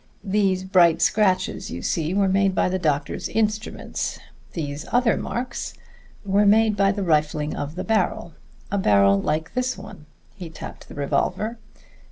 These bright scratches you see, were made by the doctor's instruments. These other marks were made by the rifling of the barrel a barrel like this one." He tapped the revolver.